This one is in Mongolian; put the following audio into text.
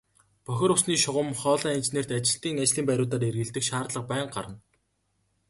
Бохир усны шугам хоолойн инженерт ажилчдын ажлын байруудаар эргэлдэх шаардлага байнга гарна.